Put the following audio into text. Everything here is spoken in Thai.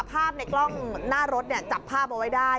ภาพในกล้องหน้ารถจับภาพเอาไว้ได้